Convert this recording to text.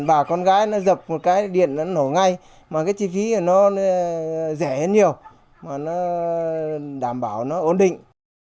bà con gái nó dập một cái điện nó nổ ngay mà cái chi phí của nó rẻ hơn nhiều mà nó đảm bảo nó ổn định